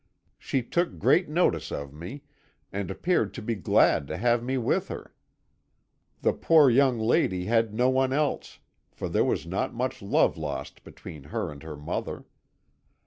She took great notice of me, and appeared to be glad to have me with her. The poor young lady had no one else, for there was not much love lost between her and her mother.